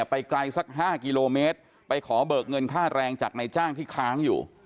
ไปไกลสัก๕กิโลเมตรไปขอเบิกเงินค่าแรงจากในจ้างที่ค้างอยู่